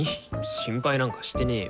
心配なんかしてねよ。